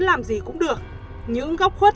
làm gì cũng được những góc khuất